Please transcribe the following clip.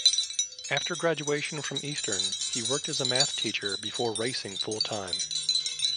After graduation from Eastern, he worked as a math teacher before racing full-time.